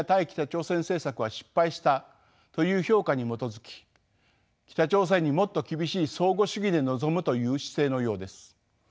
北朝鮮政策は失敗したという評価に基づき北朝鮮にもっと厳しい相互主義で臨むという姿勢のようです。